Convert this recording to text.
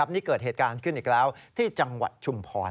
นี่เกิดเหตุการณ์ขึ้นอีกแล้วที่จังหวัดชุมพร